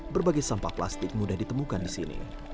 berbagai sampah plastik mudah ditemukan di sini